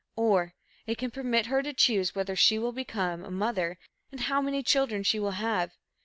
Or, it can permit her to choose whether she shall become a mother and how many children she will have.